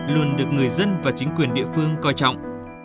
luôn được người dân và chính quyền địa phương coi trọng